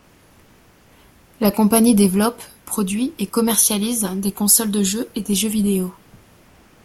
La compagnie développe, produit et commercialise des consoles de jeu et des jeux vidéo.